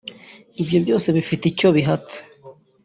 ibyo byose bifite icyo bihatse